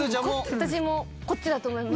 私もこっちだと思います。